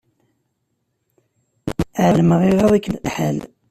Ԑelmeɣ iɣaḍ-ikem lḥal.